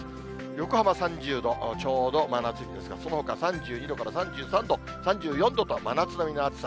横浜３０度ちょうど真夏日ですが、そのほか３２度から３３度、３４度と、真夏並みの暑さ。